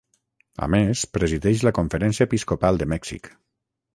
A més presideix la Conferència Episcopal de Mèxic.